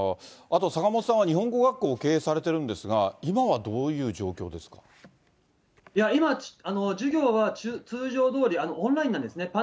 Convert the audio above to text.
あと坂本さんは、日本語学校を経営されているんですが、今は今、授業は通常どおり、オンラインなんですね。